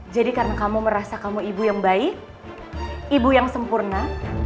jadi karena kamu merasa kamu ibu yang baik ibu yang sempurna